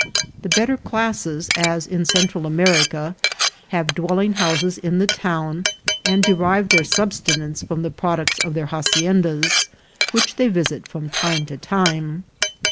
The better classes, as in Central America, have dwell ing houses in the town, and derive their subsistence from the products of their haciendas, which they visit from time to time.